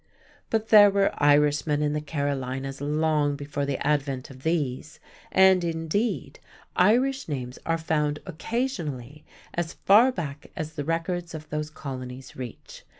But there were Irishmen in the Carolinas long before the advent of these, and indeed Irish names are found occasionally as far back as the records of those colonies reach.